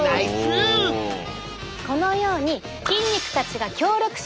このように筋肉たちが協力し合い